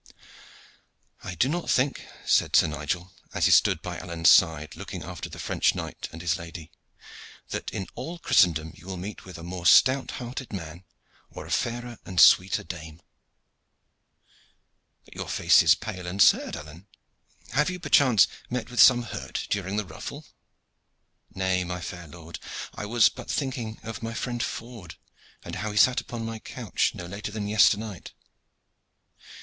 "I do not think," said Sir Nigel, as he stood by Alleyne's side looking after the French knight and his lady, "that in all Christendom you will meet with a more stout hearted man or a fairer and sweeter dame. But your face is pale and sad, Alleyne! Have you perchance met with some hurt during the ruffle?" "Nay, my fair lord, I was but thinking of my friend Ford, and how he sat upon my couch no later than yesternight."